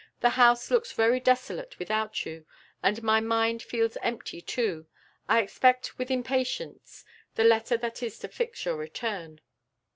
The house looks very desolate without you, and my mind feels empty too. I expect, with impatience, the letter that is to fix your return."